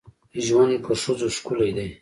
ژوند په ښځو ښکلی ده.